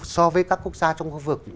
so với các quốc gia trong khu vực